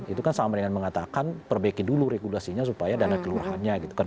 itu kan sama dengan mengatakan perbaiki dulu regulasinya supaya dana kelurahannya gitu kan